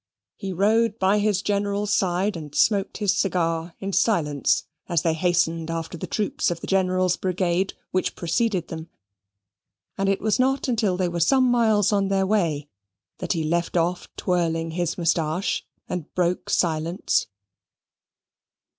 He rode by his General's side, and smoked his cigar in silence as they hastened after the troops of the General's brigade, which preceded them; and it was not until they were some miles on their way that he left off twirling his moustache and broke silence.